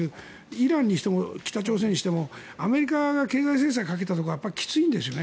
イランにしても北朝鮮にしてもアメリカが経済制裁をかけたところはきついんですよね。